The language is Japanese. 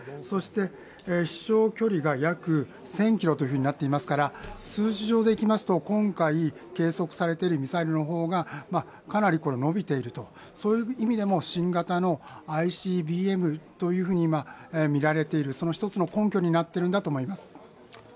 そして飛翔距離が約１０００ｋｍとなっていますから、数字上でいきますと、今回計測されているミサイルの方がかなり伸びていると、そういう意味でも新型のＩＣＢＭというふうにみられている、その１つの根拠になっているんだと思います。